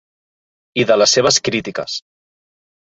I de les seves crítiques.